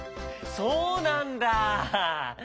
そうなんだ。